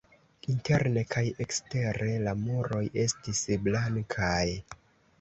Interne kaj ekstere la muroj estis blankaj.